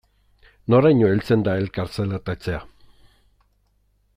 Noraino heltzen da elkar zelatatzea?